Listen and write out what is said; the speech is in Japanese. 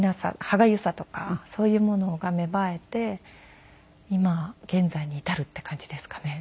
歯がゆさとかそういうものが芽生えて今現在に至るっていう感じですかね。